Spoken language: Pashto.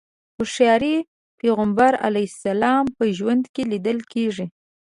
هوښياري پيغمبر علیه السلام په ژوند کې ليدل کېږي.